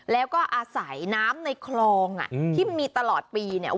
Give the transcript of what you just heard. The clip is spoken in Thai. แล้วก็อาศัยน้ำในคลองที่มีตลอดปีเนี่ย